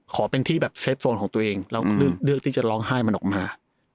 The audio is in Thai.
ขอเป็นที่แบบเซฟโซนของตัวเองแล้วเลือกที่จะร้องไห้มันออกมา